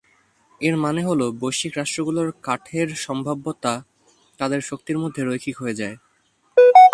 এর মানে হল, বৈশ্বিক রাষ্ট্রগুলোর কাঠের সম্ভাব্যতা তাদের শক্তির মধ্যে রৈখিক হয়ে যায়।